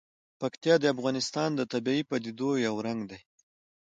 پکتیا د افغانستان د طبیعي پدیدو یو رنګ دی.